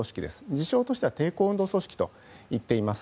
自称としては抵抗運動組織と言っています。